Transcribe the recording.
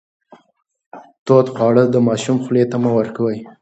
تود خواړه د ماشوم خولې ته مه ورکوئ.